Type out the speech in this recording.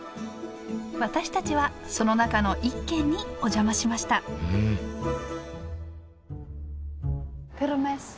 私たちはその中の一軒にお邪魔しましたペルメッソ。